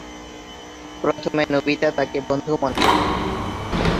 প্রথমে নোবিতা তাকে বন্ধু মনে করে।